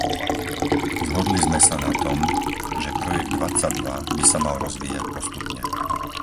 Zhodli sme sa na tom, že projekt dvadsaťdva by sa mal rozvíjať postupne.